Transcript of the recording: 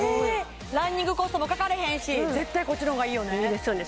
ランニングコストもかかれへんし絶対こっちのほうがいいよねいいですよね